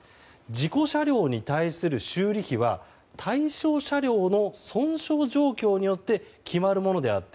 事故車両に対する修理費は対象車両の損傷状況によって決まるものであって。